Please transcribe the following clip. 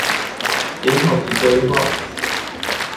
研討及規劃